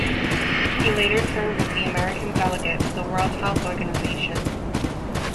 He later served as the American delegate to the World Health Organization.